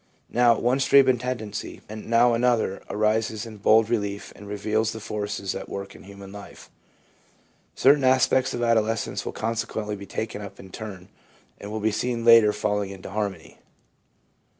Now one stream of tendency, and now another, arises in bold relief and reveals the forces at work in human life. Certain aspects of adolescence will consequently be taken up in turn, and will be seen later falling into harmony.